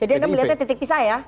jadi anda melihatnya titik pisah ya